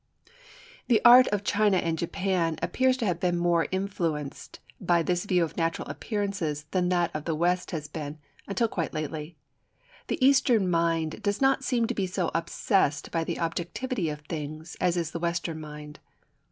] The art of China and Japan appears to have been more [influenced by this view of natural appearances than that of the West has been, until quite lately. The Eastern mind does not seem to be so obsessed by the objectivity of things as is the Western mind.